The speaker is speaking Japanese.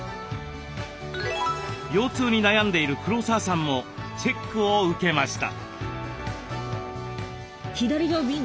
腰痛に悩んでいる黒沢さんもチェックを受けました。